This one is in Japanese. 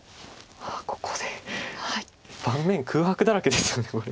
盤面空白だらけですよねこれ。